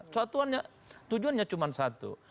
satuannya tujuannya cuma satu